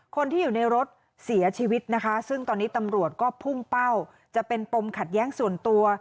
คนที่อยู่ในรถเสียชีวิตนะคะซึ่งตอนนี้ตำรวจก็พุ่งเป้าจะเป็นปมขัดแย้งส่วนตัว